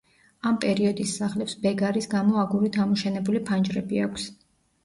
ამ პერიოდის სახლებს ბეგარის გამო აგურით ამოშენებული ფანჯრები აქვს.